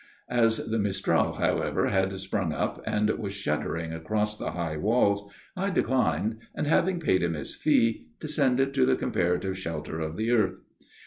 As the mistral, however, had sprung up and was shuddering across the high walls, I declined, and, having paid him his fee, descended to the comparative shelter of the earth.